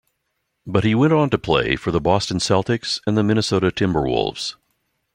But he went on to play for the Boston Celtics and the Minnesota Timberwolves.